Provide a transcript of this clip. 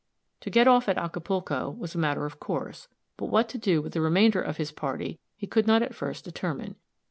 To get off at Acapulco was a matter of course; but what to do with the remainder of his party he could not at first determine.